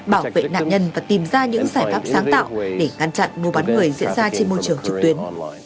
bảo vệ nạn nhân và tìm ra những giải pháp sáng tạo để ngăn chặn mua bán người diễn ra trên môi trường trực tuyến